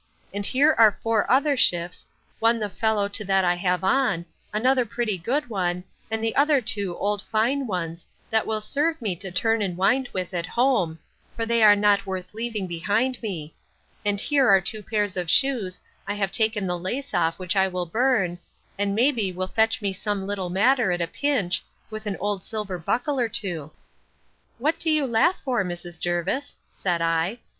And here are four other shifts, one the fellow to that I have on; another pretty good one, and the other two old fine ones, that will serve me to turn and wind with at home, for they are not worth leaving behind me; and here are two pair of shoes, I have taken the lace off, which I will burn, and may be will fetch me some little matter at a pinch, with an old silver buckle or two. What do you laugh for, Mrs. Jervis? said I.